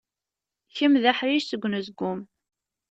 Kemm d aḥric seg unezgum.